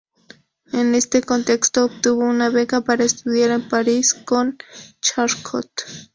En este contexto, obtuvo una beca para estudiar en París con Charcot.